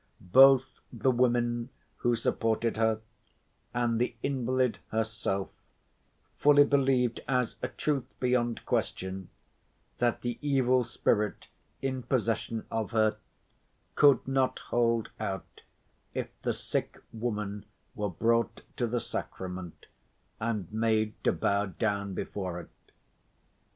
Both the women who supported her and the invalid herself fully believed as a truth beyond question that the evil spirit in possession of her could not hold out if the sick woman were brought to the sacrament and made to bow down before it.